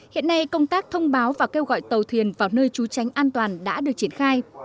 hiện nay công tác thông báo và kêu gọi tàu thuyền vào nơi trú tránh an toàn đã được triển khai